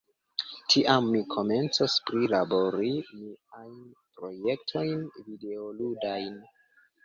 tiam mi komencos prilabori miajn projektojn videoludajn.